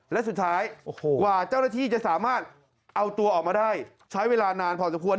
และสุดท้ายกว่าเจ้าหน้าที่จะสามารถเอาตัวออกมาได้ใช้เวลานานพอสมควร